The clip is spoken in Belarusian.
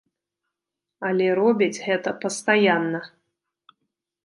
Але робяць гэта пастаянна.